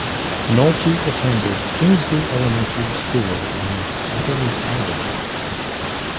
Nolte attended Kingsley Elementary School in Waterloo, Iowa.